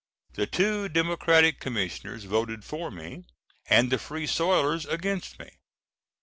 The two Democratic Commissioners voted for me, and the Free Soilers against me.